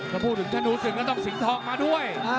ถ้าพูดถึงธนูศึกก็ต้องสิงห์ทองมาด้วย